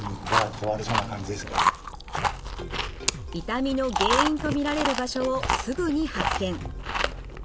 痛みの原因と見られる場所をすぐに発見。